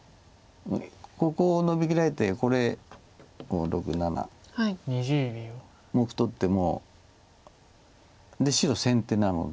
ここをノビきられてこれ５６７目取っても。で白先手なので。